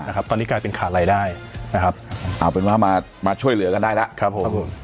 นะครับตอนนี้กลายเป็นขาดรายได้นะครับเอาเป็นว่ามามาช่วยเหลือกันได้แล้วครับผม